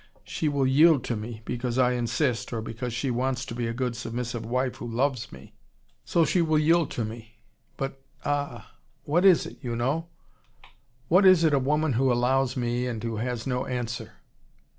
She will yield to me because I insist, or because she wants to be a good submissive wife who loves me. So she will yield to me. But ah, what is it, you know? What is it a woman who allows me, and who has no answer?